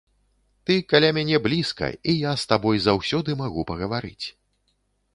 Ты каля мяне блізка, і я з табой заўсёды магу пагаварыць.